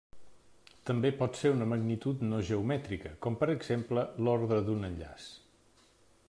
També pot ser una magnitud no geomètrica com per exemple l'ordre d'un enllaç.